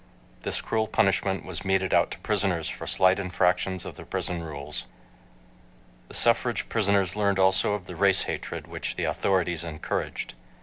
This cruel punishment was meted out to prisoners for slight infractions of the prison rules. The suffrage prisoners learned also of the race hatred which the authorities encouraged.